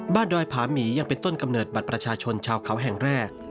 ดอยผาหมียังเป็นต้นกำเนิดบัตรประชาชนชาวเขาแห่งแรก